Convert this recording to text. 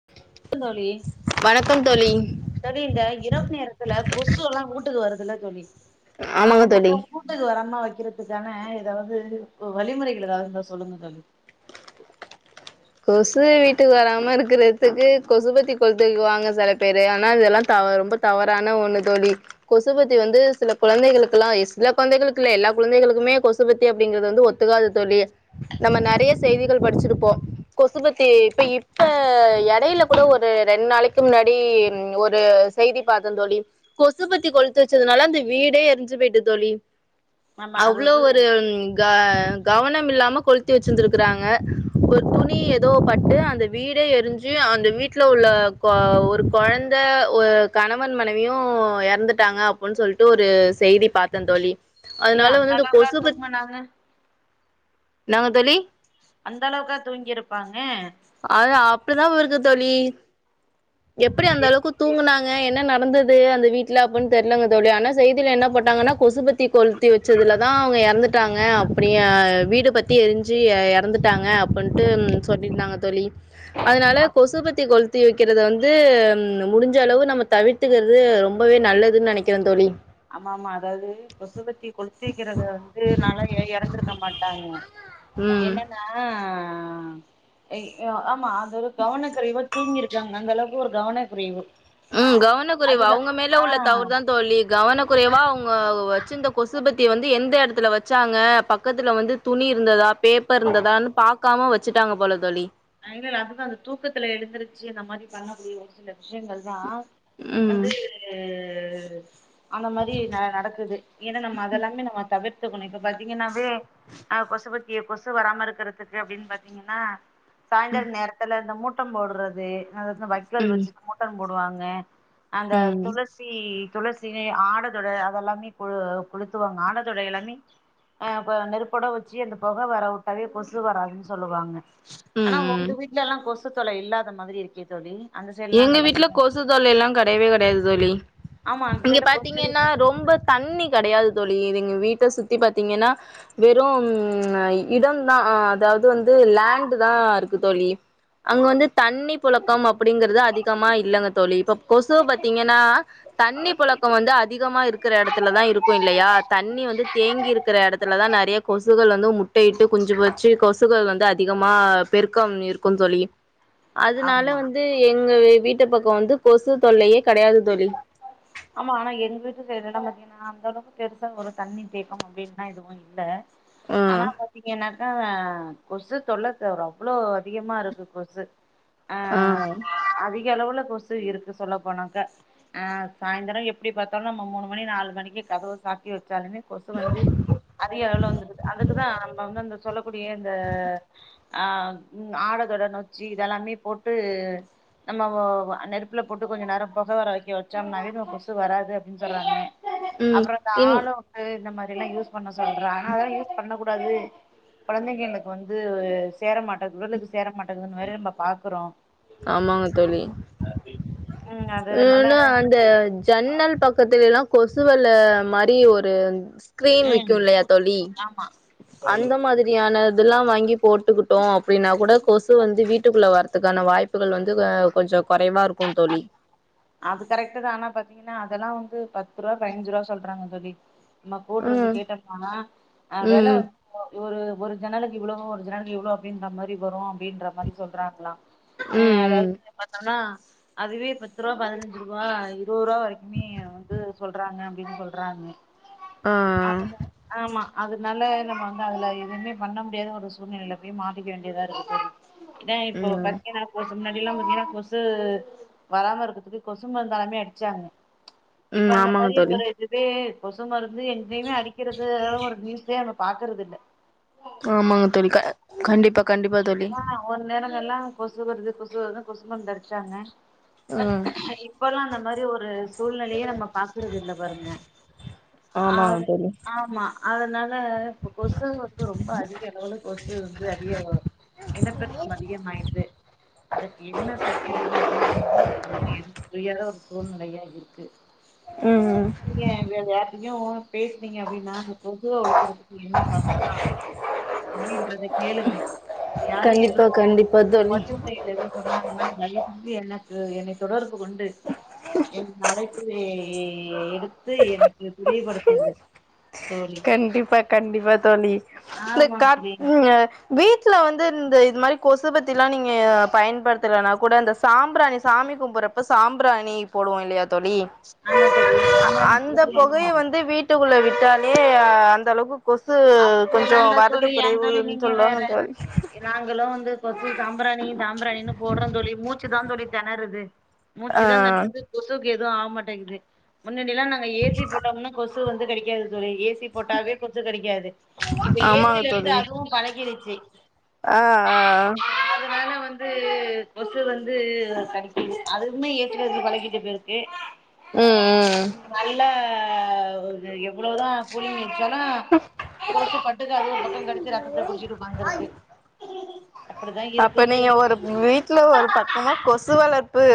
[inaudible] தோழி வணக்கம் தோழி தோழி இந்த இரப் வு நேரத்துல கொசு எல்லா ஊட்டுக்கு வருதில்ல தோழி அவ ஆமாங்க தோழி மட்டு ஊட்டுக்கு வராம வெ க்கிறதுக்கான எதாவ்து வ வழிமுறைகள் எதாவ்து இருந்தா சொல்லுங்க தோழி கொசு வீட்டுக்கு வராம இருக்கறதுக்கு கொசுபத்தி கொளுத்திக்குவாங்க செல பேரு ஆனா இதெல்லாந் தவ ரொம்ப தவறான ஒண்ணு தோழி கொசுபத்தி வந்து சில குழந்தைகளுக்கெல்லா எஸ் சில கொழந்தைகளுக்கு இல்ல எல்லா குழந்தைகளுக்குமே கொசுபத்தி அப்படிங்கறது வந்து ஒத்துக்காது தோழி நம்ம நெறைய செய்திகள் படிச்சிருப்போ. கொசுபத்தி ப்ப இப்ப எடையில கூட ஒரு ரெண்டு நாளைக்கி முன்னாடி ம் ஒரு செய்தி பாத்தந் தோழி கொசுபத்தி கொளுத்து வெச்சதுனால அந்த வீடே எரிஞ்சு போயிட்டு தோழி ஆமா அவ்ளோ அதாவது ஒருங் க கவனம் இல்லாம கொளுத்தி வெச்சிருந்திருக்கிறாங்க ஒரு துன் ணி எதோ பட்டு அந்த வீடே எரிஞ்சு அந்த வீட்ல உள்ள கொ ஒரு கொழந்த ஒ கணவன் மனைவியு எறந்துட்டாங்க அப்பன் சொல்ட்டு ஒரு செய்திப் பாத்தே தோழி ஐயா அதனால அந்த வந்து இந்த அளவுக்கா கொசு பத் தூங்குனாங்க என்னாங்க தோலி அந்தளவுக்கா அது அப்படிதா வருது தோலி எப்படி அந்த அளவுக்கு தூங்குனாங்க அங்க என்ன நடந்தது அந்த வீட்ல அப்டீன்னு தெரிலங்க தோலி ஆனா செய்தில என்ன போட்டாங்கனா கொசுபத்தி கொள்த்தி வச்சதுல தான் அவுங்க எறந்துட்டாங்க அப்படிய வீடு பத்தி எரிஞ்சு எறந்துட்டாங்க அப்படின்ட்டு ம் சொல்லிருந்தாங்க தோலி அதனால ம் கொசு பத்தி கொள்த்தி வெக் இதத வந்து முடிஞ்ச அளவு நம்ம தவிர்த்துக்குறது ரொம்பவே நல்லதுனு நெனைக்கிற தோலி ஆம ஆமா அதாவது கொசுபத்தி கொள்த்தி வெக்கிறத வந்து நாளா எறந்திருக்க மாட்டாங்க மாட்டாங்க ம் என்னன்னா ஆ எ உ ஆமா அதாவது கவனக்குறைவா தூங்கி இரு கொஞ்சோ அந்த அளவுக்கு ஒரு கவனக்குறைவு ம் கவனக்குறைவு அதுதா அவுங்க மேல உள்ள ஆ தவறு தா தோலி கவனக்குறைவா அவுங்க வச்சிந்த கொசு பத்தி வந்து எந்த எடத்துல வெச்சாங்க பக்கத்துல வந்து துணி இருந்ததா பேப்பர் இருந்ததானு பாக் பாக்காம வச்சுட்டாங்க போல தோலி நா எங்க அதுதா அந்த தூக்கத்துல எழுந்துருச்சு அந்த மாதிரி பண்ணக்கூடிய ஒரு சிலர் விஷயங்கள் தா வந்து ம். ம் அந்த மாரி நடக்குது ஏன்னா நம்ம அதெல்லாமே நம்ம தவிர்த்துக்கணு இப்ப பாத்தீங்கன்னாவே அ கொசு பத்திய கொசு வராம இருக்கிறதுக்கு அப்டி பாத்தீங்கன்னா சாய்ந்தரோ நேரத்துல இந்த மூட் சத்தம் போடுறது அந்த எடத்துல வைக்கோல் ம். வெச்ட்டு மோட போடுவாங்க அந்த ம். துளசி துளசி ஆடதொட அதெல்லாமே குழு குளுத்துவாங்க ஆடதொட எல்லாமே அப்ப நெருப்பொட வெச்சு அந்த பொக வர வுட்டாவே கொசு வராதுன்னு சொல்லுவாங்க ம். ஆனா ம். உங்க வீட்லலா கொசு கொசு தொல்ல இல்லாத மாரி இருக்கே தோலி எங்க வீட்டுல கொசு தொல்லலா கெடயவே கெடயாது தோழி ஆமா அந்த இங்க சைட்ல கொசு பாத்தீங்கனா ரொம்ப தண்ணீ கெடயாது தோழி இத எங்க வீட்ட சுத்தி பாத்தீங்கனா வெறோம் இடம் தா அதாவது வந்து லேன்டுதா இருக்கு தோலி அங்க வந்து தண்ணி போல அப்படிங்கறது அதிகமா இல்லைங்க தோழி இப்ப கொசு பாத்தீங்கனா தண்ணி புழக்கம் வந்து அதிகமா இருக்கிற இடத்துல தா இருக்கு இல்லையா தண்ணி வந்து தேங்கி இருக்கிற எடத்துல தா நெறைய கொசுகள் வந்து முட்டையிட்டு குஞ்சு பொறிச்சு கொசுகள் வந்து அதிகமா பெருக்கம் இருக்கு தோழி அதனால ஆமா வந்து எங்க வீட்டு பக்கம் வந்து கொசு தொல்லையே கெடையாது தோழி ஆமா ஆனா எங்க வீட்டு சைட்லலா பாத்தீங்கனா அந்த அளவுக்கு பெருசா ஒரு தண்ணி தேக்கம் அப்டின்லா எதுவு இல்ல ஆ ஆனா பாத்தீங்கன்னா [unintelligible] கொசு தொல்ல த அவ்வளோ அதிகமா இருக்கு கொசு ஆ சு இருக்கு சொல்ல போனாக்க ஆ சாயந்தரம் எப்படி பாத்தாலு நம்ம மூணு மணி நாலு மணிக்கு கதவு சாத்தி வச்சாலுமே கொசு வந்து அதிக அளவுல வந்துருது அதுக்குதா நம்ம வந்து அந்த சொல்லக்கூடிய இந்த அ ஆடதொட நொச்சி இதெல்லாமே போட்டு நம்ம நெருப்புல போட்டு கொஞ்சம் நேரம் புக வர வைக்க வச்சோம்னாவே [unintelligible] கொசு வராது அப்டின்னு சொல்லாங்க ம் அப்புறம் இந்த இன் ஆளோட்டு இந்த மாரி எல்ல யூஸ் பண்ண சொல்றாங்க அதலா யூஸ் பண்ண அது கொழந்தைகளுக்கு வந்து சேர மாட்டது இவளுக்கு சேரமாட்டேங்குது வேற நம்ப பாக்குறோ ஆமாங்க தோழி ம் அது நல்ல இந்த ஜன்னல் பக்கத்துலல்லா கொசுவெல மாரி ஒரு ஸ்கிரீன் விக்கு ம் இல்லையா தோழி ஆமா அந்த மாதிரியான இதெல்லா வாங்கி போட்டுக்கிட்டோ அப்படின்னா கூட கொசு வந்து வீட்டுக்குள்ள வரதுக்கான வாய்ப் புகள் வந்து அ கொஞ்சம் குறைவா இருக்கு தோழி அது கரெக்ட் தா ஆனா பாத்தீங்கன்னா அதெல்லா வந்து பத்து ரூபா பதினஞ்சுரூபா சொல்றாங்க தோழி நம்ம போட்டுருந்து ம் கேட்டதுனால அ வெல ம் வந்து ஒரு ஒரு ஜன்னலுக்கு இவ்வளோ ஒரு ஜன்னலுக்கு இவ்வளோ அப்டின்ற மாரி வரு அப்டின்ற மாரி சொல்றாங்களா ம் ஆ ம் அதாவது ம் பத்தோனா அதுவே பத் பத்து ரூபா பதினஞ்சு ரூபா நூறுரூவா வரைக்குமே வந்து சொல்றாங்க அப்டின்னு சொல்றாங்க ஆ அவ்ளதா ஆமா அதுனால நம்ம வந்து அதுல எதுவுமே பண்ண முடியாத ஒரு சூழ்நிலைல போய் மாட்டிக்க வேண்டியதா இருக்கு த இப்போ ம் பத்தெனா [unintelligible] முன்னாடில்லா பாத்தீங்ன்னா கொசு வராம இருக் அதுக்கு கொசு மருந்து [unintelligible] மே அடிச்சாங்க இப்ப ம் அந்த ஆமாங்க மாரி இதுவா தோழி [unintelligible] கொசு மருந்து எங்கேய்மே அடிக்கிறதா ஒரு நியூசே [unintelligible] பாக்கறதில்ல ஆமாங்க தோலி க அ கண்டிப்பா கண்டிப்பா தோலி எல்லா கொசு வருது கொசு வரு கொசு மருந்தடிச்சிட்டாங்க ம் இப்பல்லா அந்த மாரி ஒரு சூழ்நிலைய நம்ம பாக்குறதில்ல பாருங்க ஆமாங்க ஆத தோழி ஆமா அதனா ல இப்போ கொசு வந்து ரொம்ப அதிக அளவுல கொசு வந்து அதிகலவ் இனப்பெறுக்கம் அதிகமாயிட்டு அதற்க்கு என்ன செய்யுறுது அப் [unintelligible] வந்து புரியா [unintelligible] நெறையா இருக்கு ம் ம் [unintelligible] பேஸ்னீங்க அப்டினா கொசுவ ஒழிக்கிறதுக்கு என்ன பண்ணலா அப்டின்றத கேளுங்க யாரு கண்டிப்பா எதுவு கண்டிப்பா தோழி ஒலிவு [inaudible] சொன்னாங்கன்னா தயவு செஞ்சு எனக்கு என்னய தொடர்பு கொண்டு என் அழைப்பை எ எடுத்து எனக்கு தெளிவுபடுத்துங்க கண்டிப்பா கண்டிப்பா தோழி ஆமா தோழி இந்த [unintelligible] வீட்டுல வந்து இந்த இது மாரி கொசுபத்திலா நீங்க பயன்படுத்தலனா கூட இந்த சாம்பிராணி சாமி கும்புறப்ப சாம்பிராணி போடுவோ இல்லியா தோழி ஆமா தோழி அந்த புகைய சாமானிய வந்து வீட்டுக்குள்ள விட் [inaudible] அதே அந்த அளவுக்கு அப்டிய கொஞ்சோ எல்லாம்ல்ல வரது தோழி யான் தோழி குறைவுன்னு நீங்க வேற சொல்லுவாங்க தோழி நாங்களு வந்து கொசு சாம்பிராணி சாம்பிராணின்னு போடுறோ தோழி மூச்சுதா தோழி தெணறுது ஆ மூச்சி தா தெணறுது கொசுக்கு எ து ஆவமாட்டேங்குது முன்னாடில்லா நாங்க ஏ சி போட்டோம்ன்னா கொ சு வந்து கடிக்காது தோழி ஏ சி போட்டாவே கொசு கடிக்கா இப்ப ஏ சி ஆமாங்க லருந்து தோழி அதுவு பழகிருச்சி ஆ ஆ அதனால வந் ந்து கொசு வந்து கடிக்கிது அதுமே ஏ சி லருந்து பழகிட்டு போலருக்கு ம் ம் நல்ல ஆ எவ்ளோதா கூலிங் வெச்சாலு கொசு பாட்டுக்கு அது ஒரு பக்கொ கடிச்சி ரத்தத்த குடிச்சிட்டு உக்காந்துருக்கு அப்டிதா அப்ப இருக்கு நீங்க தோழி ஒரு வீட்ல ஒரு பக்கமா கொசு வளர்ப்பு